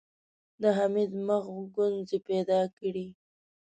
د حميد مخ ګونځې پيدا کړې.